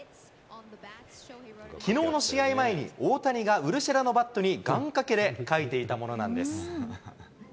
きのうの試合前に大谷がウルシェラのバットに願かけで書いていたものなんです。